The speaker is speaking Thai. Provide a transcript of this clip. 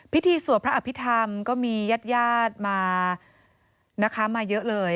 พิธีสวพระอภิธรรมก็มีญาติมาเยอะเลย